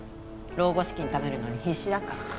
老後資金ためるのに必死だから。